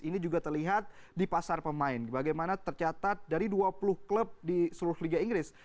ini juga terlihat di pasar pemain bagaimana tercatat dari dua puluh klub di seluruh liga inggris